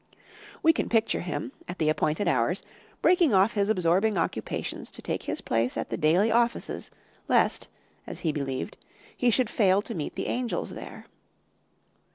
We can picture him, at the appointed hours, breaking off his absorbing occupations to take his place at the daily offices, lest, as he believed, he should fail to meet the angels there.